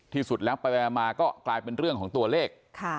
ที่สุดแล้วไปมาก็กลายเป็นเรื่องของตัวเลข